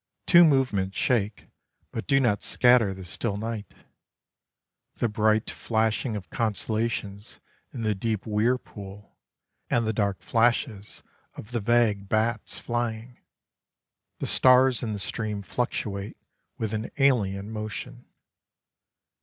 Two movements shake but do not scatter the still night: the bright flashing of constellations in the deep Weir pool, and the dark flashes of the vague bats flying. The stars in the stream fluctuate with an alien motion.